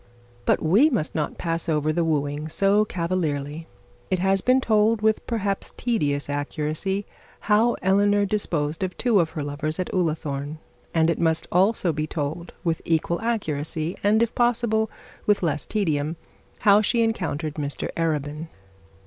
But we must not pass over the wooing so cavalierly. It has been told, with perhaps tedious accuracy, how Eleanor disposed of two of her lovers at Ullathorne; and it must also be told with equal accuracy, and if possible with less tedium, how she encountered Mr Arabin.